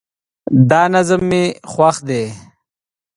دا نظم خوښ دی